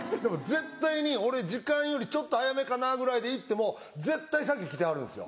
絶対に俺時間よりちょっと早めかなぐらいで行っても絶対先来てはるんですよ。